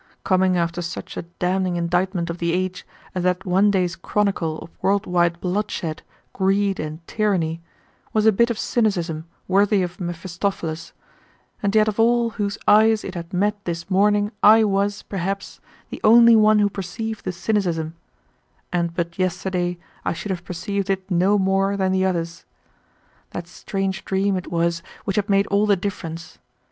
Coming after such a damning indictment of the age as that one day's chronicle of world wide bloodshed, greed, and tyranny, was a bit of cynicism worthy of Mephistopheles, and yet of all whose eyes it had met this morning I was, perhaps, the only one who perceived the cynicism, and but yesterday I should have perceived it no more than the others. That strange dream it was which had made all the difference.